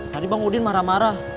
tadi bang udin marah marah